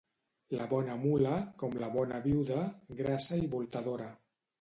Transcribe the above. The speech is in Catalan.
La bona mula, com la bona viuda, grassa i voltadora.